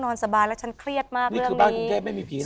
นอนสบายแล้วฉันเครียดมากเรื่องนี้นี่คือบ้านกรุงเทพไม่มีผีแล้ว